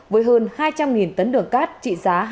với hơn hai trăm linh tấn đường cát